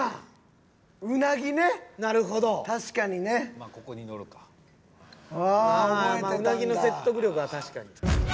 まあうなぎの説得力は確かに。